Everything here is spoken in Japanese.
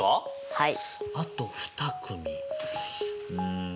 はい。